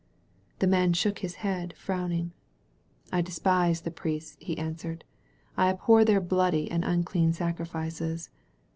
The man shook his head, frowning. "I despise the priests," he answered, "and I abhor their bloody and unclean sacrifices.